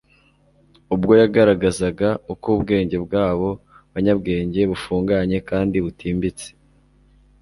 Ubwo yagaragazaga uko ubwenge bwabo banyabwenge bufunganye kandi butimbitse,